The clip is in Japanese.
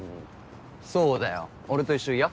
そうだよ俺と一緒嫌？